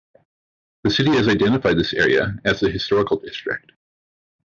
The city has identified this area as the Historical District.